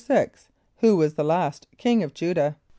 = Who was the last king of J[=u]´dah?